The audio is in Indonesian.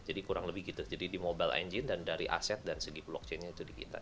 jadi kurang lebih gitu jadi di mobile engine dan dari aset dan segi blockchain nya itu di kita